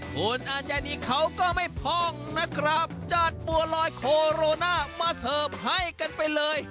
คุณอาญานีเขาก็ไม่พองนะครับจัดบัวลอยโคโรนามาเสิร์ฟให้กันไปเลย